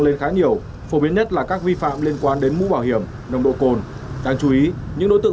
lên khá nhiều phổ biến nhất là các vi phạm liên quan đến mũ bảo hiểm nồng độ cồn đáng chú ý những đối tượng